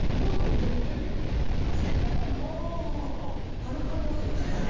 金かかりますよね？